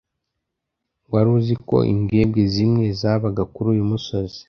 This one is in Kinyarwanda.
Wari uzi ko imbwebwe zimwe zabaga kuri uyu musozi?